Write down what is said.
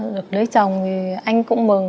được lấy chồng thì anh cũng mừng